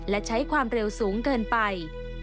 และใช้ความเร็วสูงเกินไป